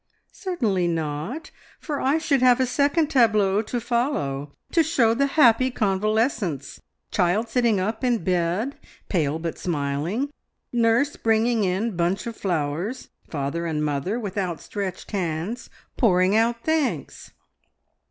"Certainly not, for I should have a second tableau to follow to show the happy convalescence child sitting up in bed, pale but smiling, nurse bringing in bunch of flowers, father and mother, with outstretched hands, pouring out thanks."